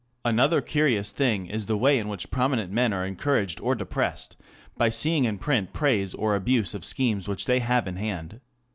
Another curious thing is the way in which prominent men are encouraged or depressed by seeing in print praise or abuse of schemes which they have in hand.